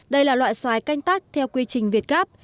đây là loại xoài canh tắt theo quy trình việt gap